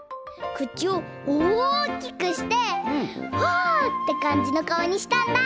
くちをおおきくしてあってかんじのかおにしたんだ！